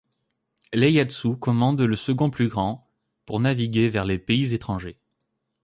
Ieyasu commande le second, plus grand, pour naviguer vers les pays étrangers.